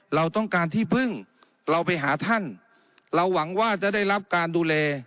เราต้องการที่พึ่งเราไปหาท่านเราหวังว่าจะได้รับการดูแล